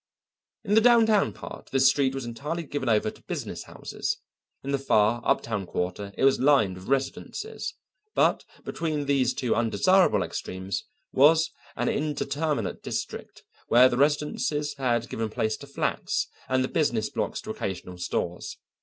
In the downtown part this street was entirely given over to business houses; in the far, uptown quarter it was lined with residences; but between these two undesirable extremes was an intermediate district where the residences had given place to flats, and the business blocks to occasional stores.